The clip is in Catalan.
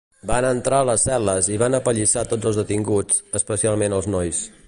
Van entrar a les cel·les i van apallissar tots els detinguts, especialment els nois.